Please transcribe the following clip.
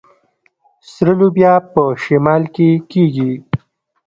سره لوبیا په شمال کې کیږي.